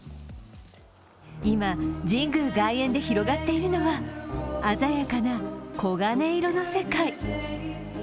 今、神宮外苑で広がっているのは鮮やかな黄金色の世界。